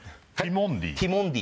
ティモンディ。